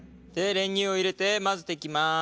練乳を入れて混ぜていきます。